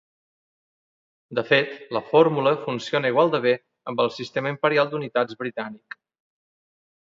De fet, la fórmula funciona igual de bé amb el sistema imperial d'unitats britànic.